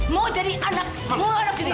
mau jadi anak mau anak sendiri